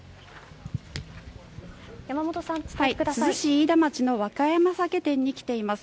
珠洲市飯田町のワカヤマ酒店に来ています。